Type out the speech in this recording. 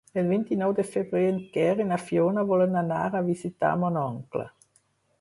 El vint-i-nou de febrer en Quer i na Fiona volen anar a visitar mon oncle.